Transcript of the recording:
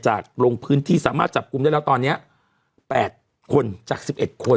จากโรงพื้นที่สามารถจับกลุ่มได้แล้วตอนเนี้ยแปดคนจากสิบเอ็ดคน